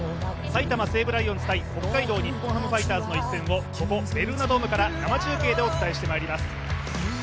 埼玉西武ライオンズ×北海道日本ハムファイターズの一戦をここベルーナドームから生中継でお伝えしてまいります。